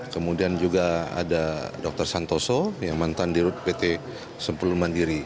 kemudian juga ada dr santoso yang mantan di rut pt sempulur mandiri